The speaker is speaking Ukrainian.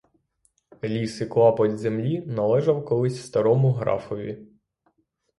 Ліс і клапоть землі належав колись старому графові.